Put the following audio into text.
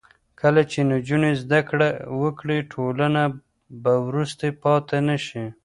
کله چې نجونې زده کړه وکړي، ټولنه به وروسته پاتې نه شي.